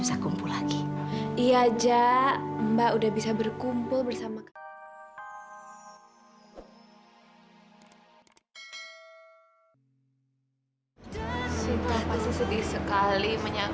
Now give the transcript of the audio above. sampai jumpa di video selanjutnya